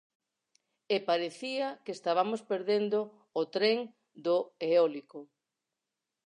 E parecía que estabamos perdendo o tren do eólico.